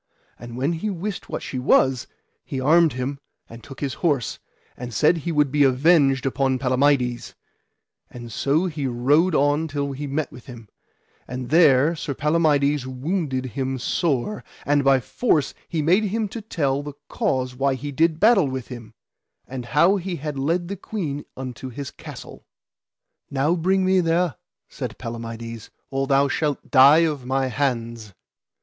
And when he wist what she was he armed him, and took his horse, and said he would be avenged upon Palamides; and so he rode on till he met with him, and there Sir Palamides wounded him sore, and by force he made him to tell him the cause why he did battle with him, and how he had led the queen unto his castle. Now bring me there, said Palamides, or thou shalt die of my hands.